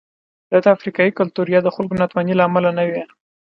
دا د افریقايي کلتور یا د خلکو ناتوانۍ له امله نه وې.